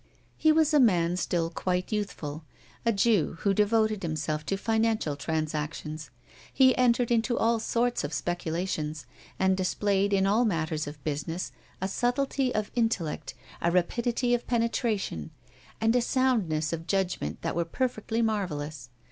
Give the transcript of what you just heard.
He was a man still quite youthful, a Jew, who devoted himself to financial transactions. He entered into all sorts of speculations, and displayed in all matters of business a subtlety of intellect, a rapidity of penetration, and a soundness of judgment that were perfectly marvelous.